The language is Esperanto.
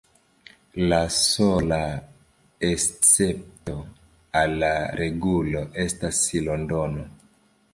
La sola escepto al la regulo estas Londono.